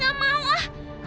nami gak mau ah